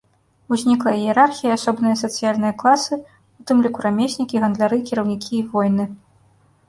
Узнікла іерархія і асобныя сацыяльныя класы, у тым ліку рамеснікі, гандляры, кіраўнікі і воіны.